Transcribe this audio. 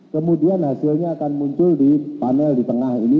kemudian hasilnya akan muncul di panel di tengah ini